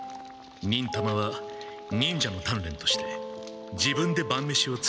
忍たまは忍者の鍛錬として自分で晩飯を作ることがある。